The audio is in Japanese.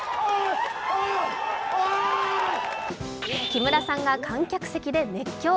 木村さんが観客席で熱狂。